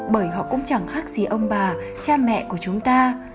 bởi họ cũng chẳng khác gì ông bà cha mẹ của chúng ta